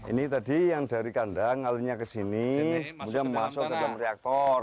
ini tadi yang dari kandang ngalirnya ke sini kemudian masuk ke dalam reaktor